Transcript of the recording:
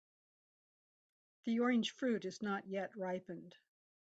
The orange fruit is not yet ripened.